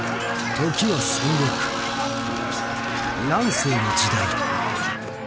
時は戦国乱世の時代。